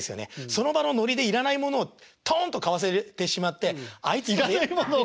その場のノリで要らないものをとんと買わせてしまってあいつ要らないものを。